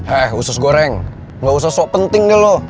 eh usus goreng gak usus sok penting deh lo